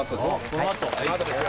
このあとですよ